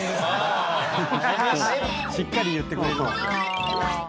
しっかり言ってくれるんですよ。